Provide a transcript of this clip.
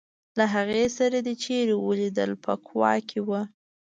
له هغې سره دي چېرې ولیدل په کوا کې ول.